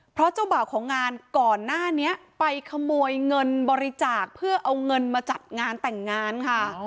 เพราะเจ้าบ่าวของงานก่อนหน้านี้ไปขโมยเงินบริจาคเพื่อเอาเงินมาจัดงานแต่งงานค่ะ